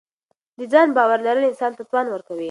د ځان باور لرل انسان ته توان ورکوي.